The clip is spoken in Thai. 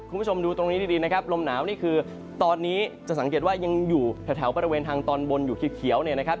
คุณผู้ชมดูตรงนี้ดีนะครับลมหนาวนี่คือตอนนี้จะสังเกตว่ายังอยู่แถวบริเวณทางตอนบนอยู่เขียวเนี่ยนะครับ